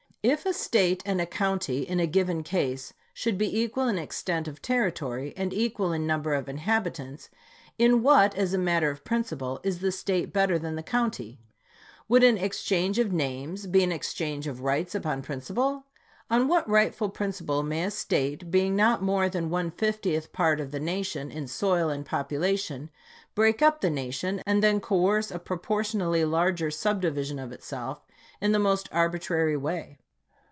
If a State and a county, in a given case, should be equal in extent of territory, and equal in num ber of inhabitants, in what, as a matter of principle, is the State better than the county ? Would an exchange of names be an exchange of rights upon principle 1 On what rightful principle may a State, being not more than one fiftieth part of the nation, in soil and population, break up the nation and then coerce a proportionally larger subdivision of itself, in the most arbitrary way